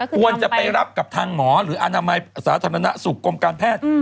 ควรจะไปรับกับทางหมอหรืออนามัยสาธารณสุขกรมการแพทย์